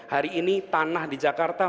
hari ini tanah di jakarta